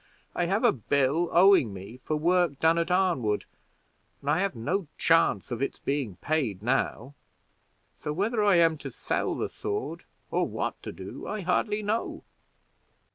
I have a bill owing me for work done at Arnwood, and I have no chance of its being paid now; so, whether I am to sell the sword, or what to do, I hardly know."